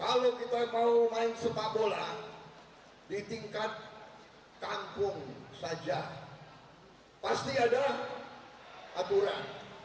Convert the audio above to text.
kalau kita mau main sepak bola di tingkat kampung saja pasti ada aturan